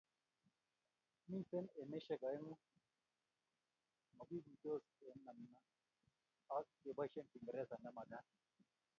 Mite emeshek oeng' "magiguisot eng' namna" ak " keboishen Kiingereza ne magat"